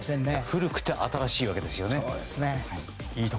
古くて新しいわけですよね。